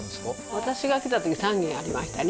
私が来た時３軒ありましたね